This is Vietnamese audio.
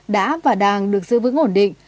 đã và đang được giữ vững ổn định